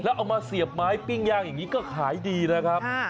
เอามาเสียบไม้ปิ้งย่างอย่างนี้ก็ขายดีนะครับ